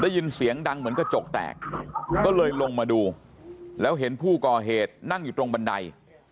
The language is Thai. ได้ยินเสียงดังเหมือนกระจกแตกก็เลยลงมาดูแล้วเห็นผู้ก่อเหตุนั่งอยู่ตรงบันได